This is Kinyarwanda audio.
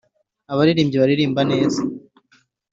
abaririmbyi baririmba neza.